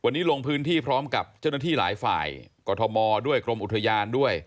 นี่มันไม่ใช่แค่รอยเท้า